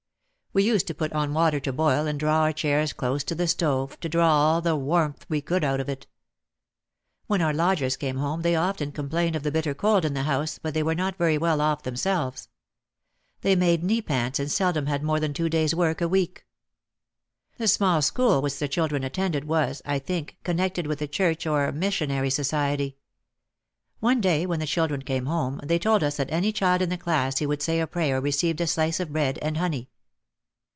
We used to put on water to boil and draw our chairs close to the stove, to draw all the warmth we could out of it. When our lodgers came home they often com plained of the bitter cold in the house but they were not very well off themselves. They made knee pants and seldom had more than two days' work a week. The small school which the children attended was, I think, connected with a church or a missionary society. One day when the children came home they told us that any child in the class who would say a prayer received a slice of bread and honey.